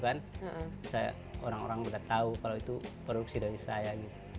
kalau itu produksi dari saya